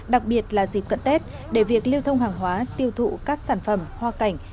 đặc biệt là dịp cận tết để việc lưu thông hàng hóa tiêu thụ các sản phẩm hoa cảnh